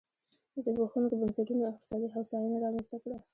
زبېښونکو بنسټونو اقتصادي هوساینه رامنځته کړه.